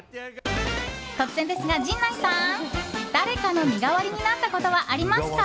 突然ですが、陣内さん誰かの身代わりになったことはありますか？